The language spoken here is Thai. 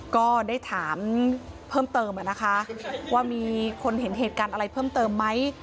ก็ได้ถามเพิ่มเติมนะคะว่ามีคนเห็นเหตุการณ์อะไรเพิ่มเติมไหม